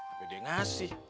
apa dia ngasih